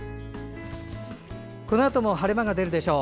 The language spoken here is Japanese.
このあとも晴れ間が出るでしょう。